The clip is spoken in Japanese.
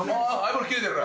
今切れてる。